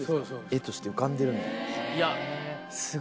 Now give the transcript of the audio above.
画として浮かんでるんだ。